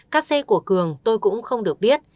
các xe của cường tôi cũng không được biết